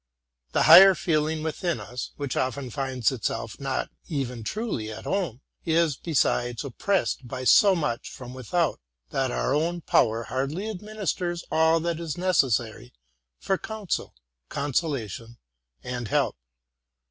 The higher feeling witnin us, which often finds itself not even truly at home, is, besides, oppressed by so much from without, that our own power hardly adminis ters all that is necessary for counsel, consolation, and help.